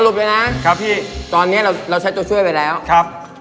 ไปนะครับพี่ตอนเนี้ยเราเราใช้ตัวช่วยไปแล้วครับ